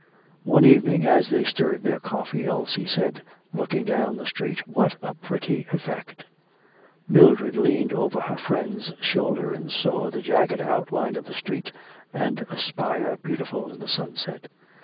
One evening, as they stirred their coffee, Elsie said, looking down the street, 'What a pretty effect.' Mildred leaned over her friend's shoulder and saw the jagged outline of the street and a spire beautiful in the sunset.